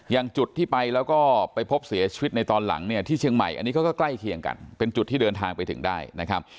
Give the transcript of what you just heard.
อย่างจุดที่ไปแล้วก็ไปพบเสียชีวิตในตอนหลังเนี่ยที่เชียงใหม่อันนี้เขาก็ใกล้เคียงกันเป็นจุดที่เดินทางไปถึงได้นะครับ